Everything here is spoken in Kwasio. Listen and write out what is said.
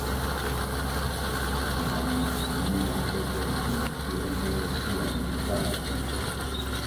Mam ma ndzinih ma be be ywe nziē mere gia nlu ka maku.